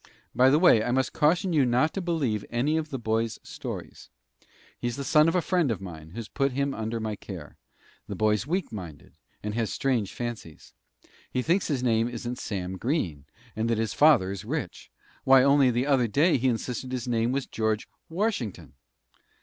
By the way, I must caution you not to believe any of the boy's stories. He's the son of a friend of mine, who's put him under my care. The boy's weak minded, and has strange fancies. He thinks his name isn't Sam Green, and that his father is rich. Why, only the other day he insisted his name was George Washington."